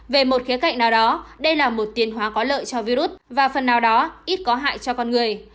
về một khía cạnh nào đó đây là một tiền hóa có lợi cho virus và phần nào đó ít có hại cho con người